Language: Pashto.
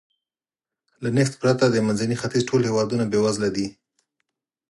له نفت پرته د منځني ختیځ ټول هېوادونه بېوزله دي.